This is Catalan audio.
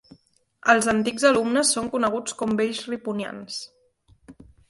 Els antics alumnes són coneguts com Vells Riponians.